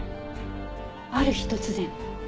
ある日突然？